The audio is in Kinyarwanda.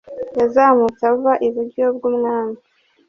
yazamutse ava iburyo bw'umwami,